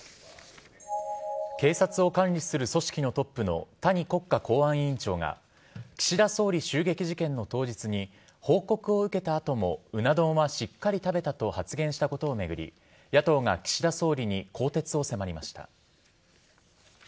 警察を管理する組織のトップの谷国家公安委員長が岸田総理襲撃事件の当日に報告を受けた後もうな丼はしっかり食べたと発言したことを巡り野党が岸田総理に更迭を迫りました。